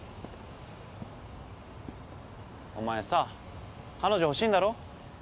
お前さ彼女欲しいんだろ？